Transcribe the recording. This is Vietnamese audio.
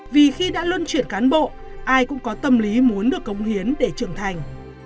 vì khi đã luân chuyển cán bộ ai cũng có tâm lý muốn được cống hiến để trưởng thành